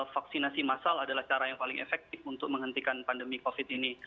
vaksinasi masal adalah cara yang paling efektif untuk menghentikan pandemi covid ini